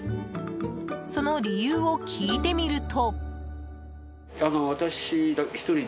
その理由を聞いてみると。